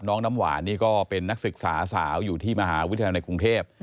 น้ำหวานนี่ก็เป็นนักศึกษาสาวอยู่ที่มหาวิทยาลัยในกรุงเทพ